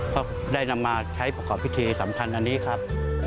ก็ได้นำมาใช้ประกอบพิธีสำคัญอันนี้ครับ